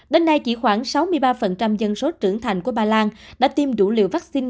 đến nay chỉ khoảng sáu mươi ba dân số trưởng thành của bà làng đã tiêm đủ liều vaccine